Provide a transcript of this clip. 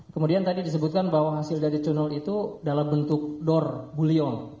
kemudian tadi disebutkan bahwa hasil dari tunal itu dalam bentuk door bullying